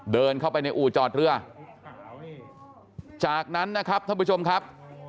เดินเข้าไปในอู่จอดเรือจากนั้นนะครับท่านผู้ชมครับ